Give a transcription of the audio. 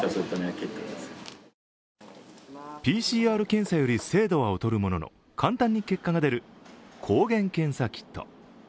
ＰＣＲ検査より精度は劣るものの、簡単に結果が出る抗原検査キット。